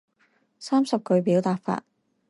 三十句表達法